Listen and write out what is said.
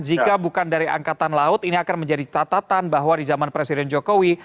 jika bukan dari angkatan laut ini akan menjadi catatan bahwa di zaman presiden jokowi